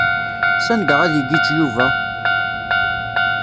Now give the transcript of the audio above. Sanda ad igiǧǧ Yuba?